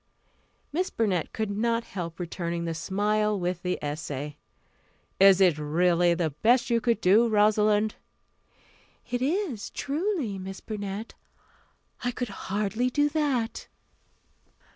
Miss Burnett could not help returning the smile with the essay. "Is it really the best you could do, Rosalind?" "It is, truly, Miss Burnett. I could hardly do that."